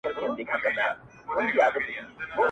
• دجهان پر مخ ځليږي -